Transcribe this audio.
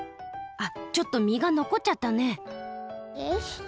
あっちょっと実がのこっちゃったねよいしょ！